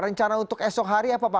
rencana untuk esok hari apa pak